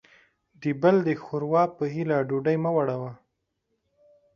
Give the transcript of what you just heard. د بل د ښور وا په هيله ډوډۍ مه وړوه.